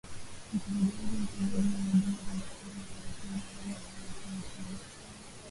mkurugenzi mtendaji wa huduma za masuala ya utabiri wa hali ya hewa nchini kenya